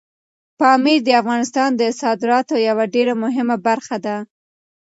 پامیر د افغانستان د صادراتو یوه ډېره مهمه برخه ده.